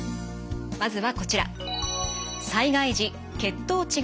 まずはこちら。